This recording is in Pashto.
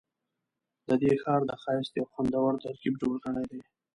ددې ښار د ښایست یو خوندور ترکیب جوړ کړی دی.